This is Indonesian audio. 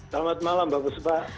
selamat malam mbak busbah